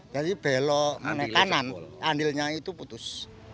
jadi belok kanan andilnya itu putus